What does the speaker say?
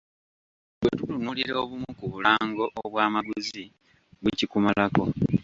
Bwe tutunuulira obumu ku bulango obwamaguzi, bukikumalako!